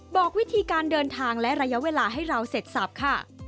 บอกวิธีการเดินทางและระยะเวลาให้เราเสร็จสับค่ะ